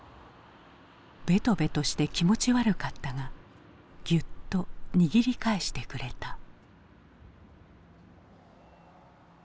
ベトベトして気持ち悪かったがギュッと握り返してくれた。